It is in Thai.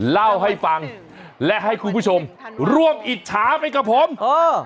เล่าให้ฟังและให้คุณผู้ชมร่วมอิจฉาไปกับผมเออ